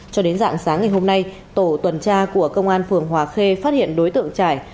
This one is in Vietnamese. cho đến dạng sáng ngày hôm nay tổ tuần tra của công an phường hòa khê phát hiện đối tượng trải